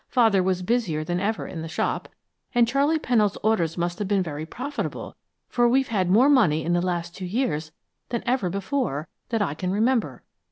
Father was busier than ever in the shop, and, Charley Pennold's orders must have been very profitable, for we've had more money in the last two years than ever before, that I can remember.